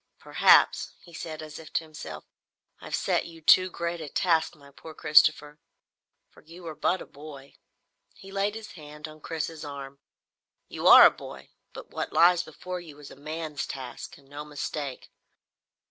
"Perhaps," he said as if to himself, "I have set you too great a task, my poor Christopher, for you are but a boy." He laid his hand on Chris's arm. "You are a boy, but what lies before you is a man's task, and no mistake.